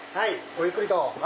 ごゆっくりと。